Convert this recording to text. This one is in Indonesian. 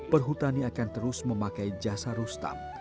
perhutani akan terus memakai jasa rustam